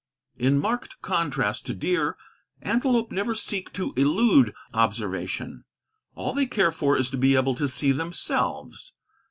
In marked contrast to deer, antelope never seek to elude observation; all they care for is to be able to see themselves.